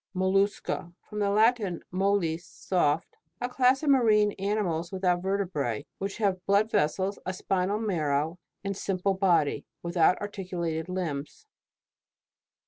MOLLUSCA. From the Latin, mollis, soft. A class of marine animals without vertebrae, which have blood vessels, a spinal marrow, and a sim ple body, without articulated limbs.